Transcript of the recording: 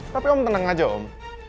tapi om tenang aja om